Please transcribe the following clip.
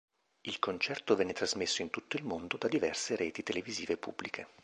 Il concerto venne trasmesso in tutto il mondo da diverse reti televisive pubbliche.